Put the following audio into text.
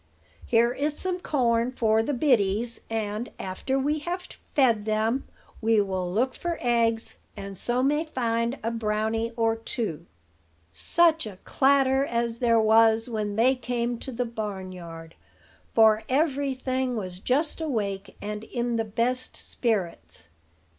Here is some corn for the biddies; and, after we have fed them, we will look for eggs, and so may find a brownie or two." Such a clatter as there was when they came to the barnyard; for every thing was just awake, and in the best spirits.